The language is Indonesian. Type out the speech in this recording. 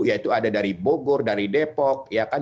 yaitu ada dari bogor dari depok ya kan